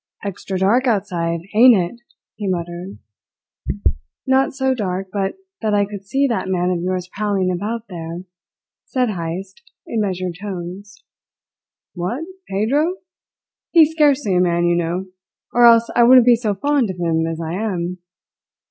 "Extra dark outside, ain't it?" he muttered. "Not so dark but that I could see that man of yours prowling about there," said Heyst in measured tones. "What Pedro? He's scarcely a man you know; or else I wouldn't be so fond of him as I am."